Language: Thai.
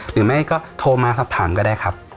หรือไม่ก็โทรมาสอบถามก็ได้ครับ